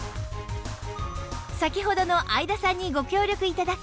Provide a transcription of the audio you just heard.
先ほどの会田さんにご協力頂き